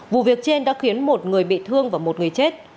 vụ việc trên đã khiến một người bị thương và một người chết